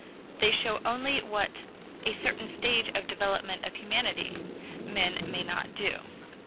They show only what at a certain stage of development of humanity men may not do.